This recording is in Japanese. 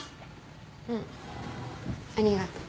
うんありがとう。